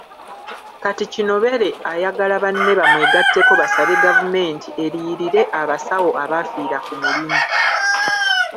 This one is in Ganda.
Kati Kinobere ayagala banne bamwegatteko basabe gavumenti eriyirire abasawo abafiira ku mirimu.